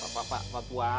pak pak pak pak